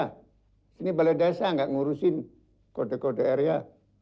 di sini balai desa nggak ngurusin kode kode area